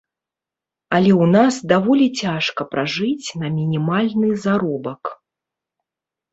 Але ў нас даволі цяжка пражыць на мінімальны заробак.